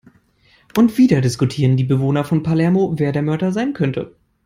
Und wieder diskutieren die Bewohner von Palermo, wer der Mörder sein könnte.